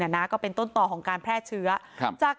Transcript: อย่างนั้นฯก็เป็นต้นต่อของการแพทย์เชื้อค่ะจาก